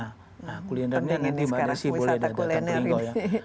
nah kulinernya ini dimana sih boleh datang ke lubu linggau ya